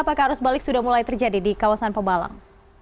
apakah arus balik sudah mulai terjadi di kawasan pemalang